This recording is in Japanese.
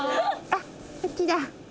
あこっちだ。